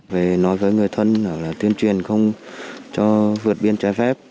về nói với người thân là tuyên truyền không cho vượt biên trái phép